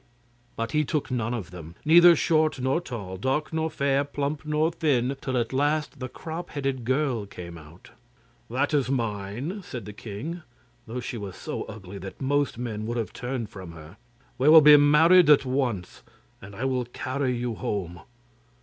But he took none of them, neither short nor tall, dark nor fair, plump nor thin, till at the last the crop headed girl came out. 'This is mine,' said the king, though she was so ugly that most men would have turned from her. 'We will be married at once, and I will carry you home.